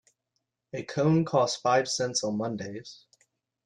A cone costs five cents on Mondays.